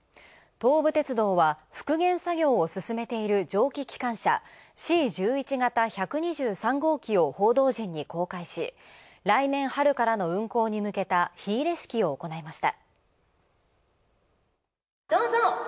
東武鉄道は、復元作業を進めている蒸気機関車・Ｃ１１形１２３号機を報道陣に公開し、来年春からの運行に向けた火入れ式を行いました。